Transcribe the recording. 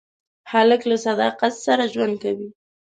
هلک له صداقت سره ژوند کوي.